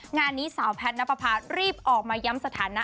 งานนี้สาวแพทย์นับประพารีบออกมาย้ำสถานะ